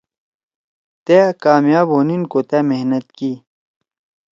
تأ کامیاب ہونیِن کو تأ محنت کی۔